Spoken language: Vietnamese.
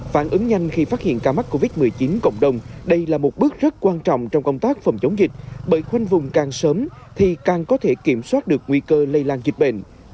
phản ứng nhanh khi phát hiện ca mắc covid một mươi chín cộng đồng đây là một bước rất quan trọng trong công tác phòng chống dịch bởi khoanh vùng càng sớm thì càng có thể kiểm soát được nguy cơ lây lan dịch bệnh